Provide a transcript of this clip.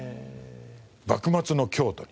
幕末の京都に。